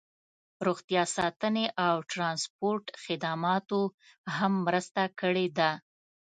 روغتیا ساتنې او ټرانسپورټ خدماتو هم مرسته کړې ده